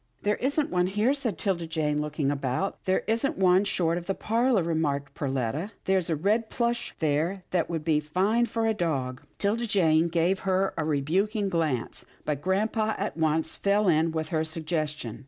" There isn't one here," said 'Tilda Jane, looking about. " There ain't one short of the parlour," remarked Perletta, " there's a red plush there that would be fine for a dog." 'Tilda Jane gave her a rebuking glance, but grampa at once fell in with her suggestion.